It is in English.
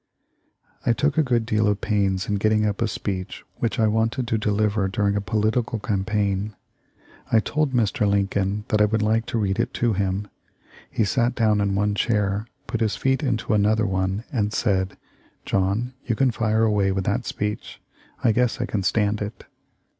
"I took a good deal of pains in getting up a speech which I wanted to deliver during a political cam paign. I told Mr. Lincoln that I would like to read it to him. He sat down in one chair, put his feet into another one, and said : 'John, you can fire away with that speech ; I guess I can stand it.'